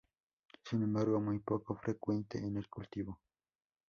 Sin embargo muy poco frecuente en el cultivo.